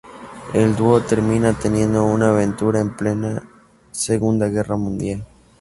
El dúo termina teniendo una aventura en plena segunda guerra mundial.